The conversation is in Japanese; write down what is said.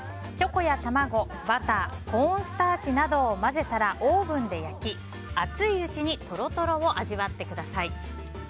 チョコや卵、バターコーンスターチなどを混ぜたらオーブンで焼き、熱いうちにとろとろを味わってください。